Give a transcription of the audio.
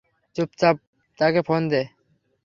চুপচাপ তাকে ফোন দে।